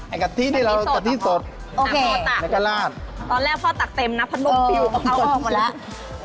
ไอ้กะทิที่เราไอ้กะทิสดในการราชตอนแรกพ่อตักเต็มนะเพราะนมผิวเอาออกมาแล้ว